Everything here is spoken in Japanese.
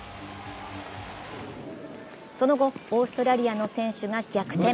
その後、オーストラリアの選手が逆転。